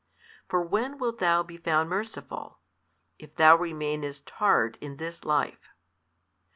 For when wilt thou be found merciful, if thou remainest hard in this life?